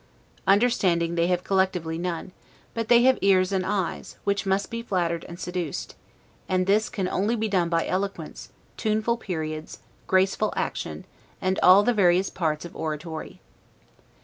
Understanding they have collectively none, but they have ears and eyes, which must be flattered and seduced; and this can only be done by eloquence, tuneful periods, graceful action, and all the various parts of oratory.